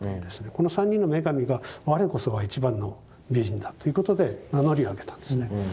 この３人の女神が我こそは一番の美人だということで名乗りを上げたんですね。